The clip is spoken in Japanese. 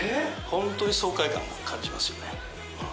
ホントに爽快感が感じますよね